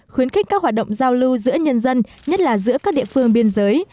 khuyến khích các hoạt động giao lưu giữa nhân dân nhất là giữa các địa phương biên giới